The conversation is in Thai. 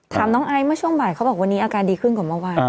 น้องไอซ์เมื่อช่วงบ่ายเขาบอกวันนี้อาการดีขึ้นกว่าเมื่อวาน